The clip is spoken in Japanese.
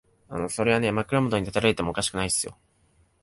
それはね、枕元に立たれてもおかしくないですよ。